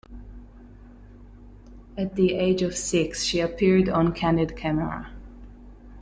At the age of six, she appeared on "Candid Camera".